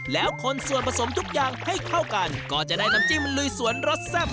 แล้วคนส่วนผสมทุกอย่างให้เข้ากันก็จะได้น้ำจิ้มลุยสวนรสแซ่บ